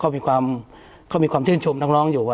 มีความเชื่อชมทั้งน้อง